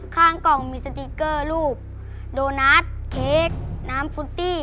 ข้างกล่องมีสติ๊กเกอร์รูปโดนัทเค้กน้ำฟุตตี้